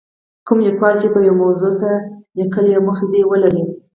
کوم لیکوال چې په یوې موضوع څه لیکي موخه دې ولري.